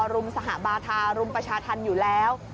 รุมสหบาทารุมประชาธรรมอยู่แล้ว